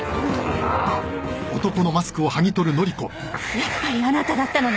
やっぱりあなただったのね。